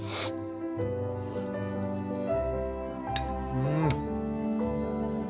うん。